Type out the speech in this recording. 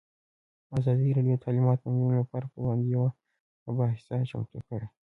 ازادي راډیو د تعلیمات د نجونو لپاره پر وړاندې یوه مباحثه چمتو کړې.